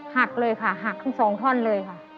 หักเลยค่ะหักทั้งสองท่อนเลยค่ะ